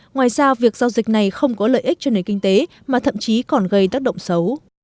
ngoài ra việc giao dịch này không có lợi ích cho nền kinh tế mà thậm chí còn gây tác động xấu